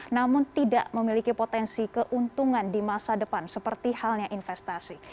namun tidak memiliki potensi keuntungan di masa depan seperti halnya investasi